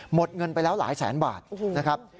หมดเงินไปแล้วหลายแสนบาทนะครับ